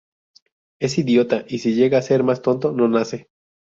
Es idiota y si llega a ser más tonto, no nace